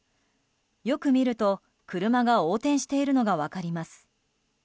よく見ると車が横転しているのが分かります。